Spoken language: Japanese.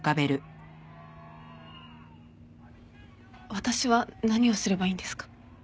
私は何をすればいいんですか？